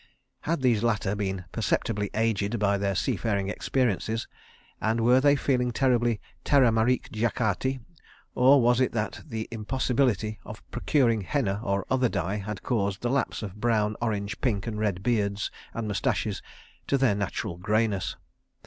Had these latter been perceptibly aged by their sea faring experiences and were they feeling terribly terra marique jactati, or was it that the impossibility of procuring henna or other dye had caused the lapse of brown, orange, pink and red beards and moustaches to their natural greyness?